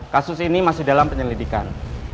kasus ini masih dalam penyelidikan